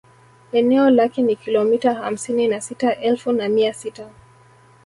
Eneo lake ni kilomita hamsini na sita elfu na mia sita